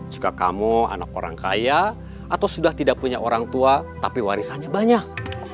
jika kamu anak orang kaya atau sudah tidak punya orang tua tapi warisannya banyak